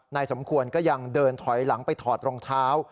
สมควรก็ยังเดินถอยหลังไปถอดรองเท้า